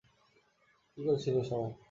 কী করছিলে সবাই?